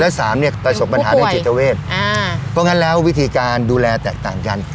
และสามเนี่ยประสบปัญหาทางจิตเวทอ่าเพราะงั้นแล้ววิธีการดูแลแตกต่างกัน